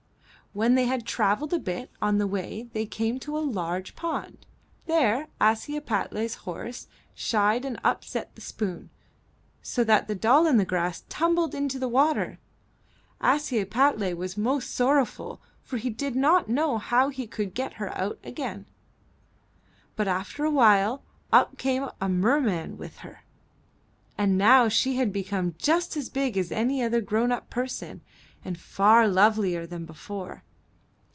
When they had traveled a bit on the way they came to a large pond; there Ashiepattle's horse shied and upset the spoon, so that the Doll i' the Grass tumbled into the water. Ashiepattle was most sorrowful, for he did not know how he could get her out again; but after a while up came a merman with her. And now she had become just as big as any other grown up person and far lovelier than before.